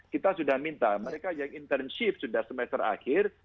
kita sudah minta mereka yang intensif sudah semester akhir